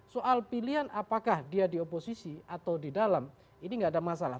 soal pilihan apakah dia di oposisi atau di dalam ini nggak ada masalah